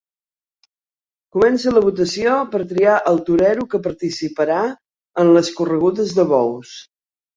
Comença la votació per triar el torero que participarà en les corregudes de bous.